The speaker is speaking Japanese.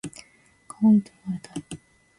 かわいいと言われたい